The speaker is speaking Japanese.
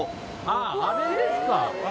あぁあれですか。